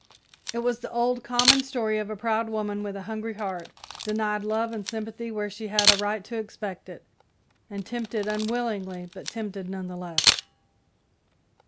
It was the old, common story of a proud woman with a hungry heart, denied love and sympathy where she had a right to expect it, and tempted unwillingly, but tempted none the less.